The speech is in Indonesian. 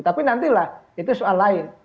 tapi nantilah itu soal lain